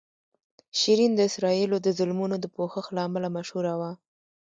شیرین د اسرائیلو د ظلمونو د پوښښ له امله مشهوره وه.